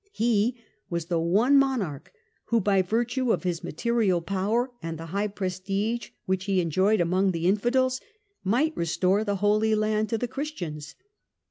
He was the one monarch who, by virtue of his material power and the high prestige which he enjoyed among the Infidels, might still restore the Holy Land to the Christians.